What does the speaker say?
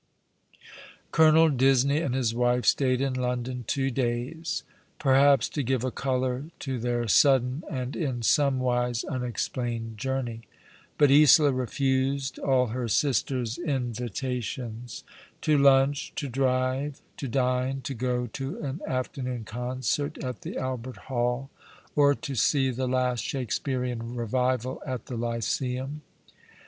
Colonel Disney and his wife stayed in London two days ; perhaps to give a colour to their sudden and in somewise unexplained journey; but Isola refused all her sister's invitations, to lunch, to drive, to dine, to go to an afternoon concert at the Albert Hall, or to see the last Shakespearean revival at the Lyceum.